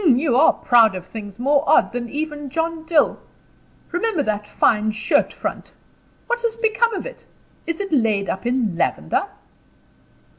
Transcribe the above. "You are proud of things more odd than even John Dill. Remember that fine shirt front! What has become of it? Is it laid up in lavender?"